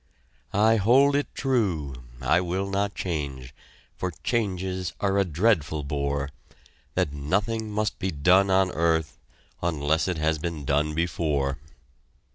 I hold it true I will not change, For changes are a dreadful bore That nothing must be done on earth Unless it has been done before.